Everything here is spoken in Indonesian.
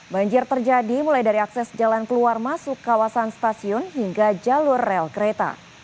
banjir terjadi mulai dari akses jalan keluar masuk kawasan stasiun hingga jalur rel kereta